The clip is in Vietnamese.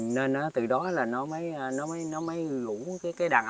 nên từ đó là nó mới gũi cái đá